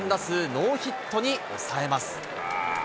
３打数ノーヒットに抑えます。